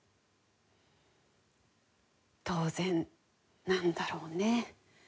当然なんだろうね。